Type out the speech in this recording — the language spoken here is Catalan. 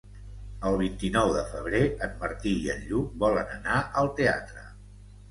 El vint-i-nou de febrer en Martí i en Lluc volen anar al teatre.